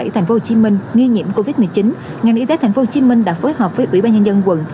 tp hcm nghi nhiễm covid một mươi chín ngành y tế tp hcm đã phối hợp với ủy ban nhân dân quận